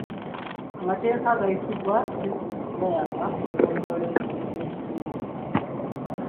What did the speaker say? Amateeka agayisiddwa disitulikiti gayamba okugonjoola ebizibu by'ekitundu.